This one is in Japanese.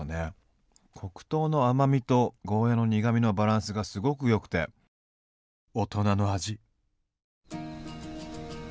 黒糖の甘みとゴーヤーの苦みのバランスがすごくよくて大人の味。